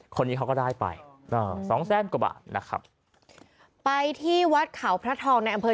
คนนี้เขาก็ได้ไปอ่าสองแสนกว่าบาทนะครับไปที่วัดเขาพระทองในอำเภอ